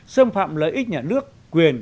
xâm phạm lợi ích nhà nước quyền